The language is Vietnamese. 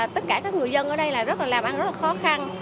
tất cả các người dân ở đây làm ăn rất là khó khăn